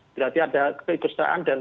berarti ada keikusan dan